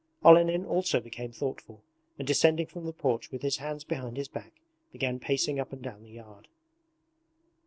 Olenin also became thoughtful, and descending from the porch with his hands behind his back began pacing up and down the yard.